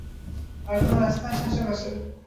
আর কোন রাস্তা আছে আশেপাশে?